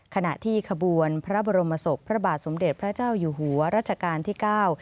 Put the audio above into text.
ขณะที่ขบวนพระบรมศพพระบาทสมเด็จพระเจ้าอยู่หัวรัชกาลที่เก้า